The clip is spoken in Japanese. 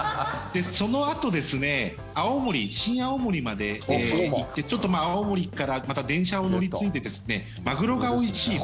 そのあと青森、新青森まで行ってちょっと青森からまた電車を乗り継いでマグロがおいしい